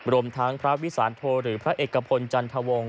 รวมทั้งพระวิสานโทหรือพระเอกพลจันทวงศ